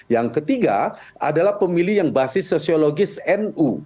yang ketiga adalah pemilih yang basis sosiologis nu